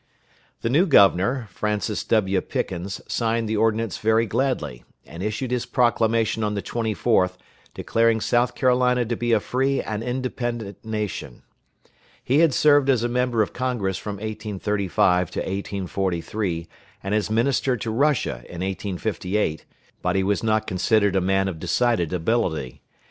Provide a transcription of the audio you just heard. The new Governor, Francis W. Pickens, signed the ordinance very gladly, and issued his proclamation on the 24th declaring South Carolina to be a free and independent nation. He had served as a member of Congress from 1835 to 1843, and as Minister to Russia in 1858, but he was not considered a man of decided ability.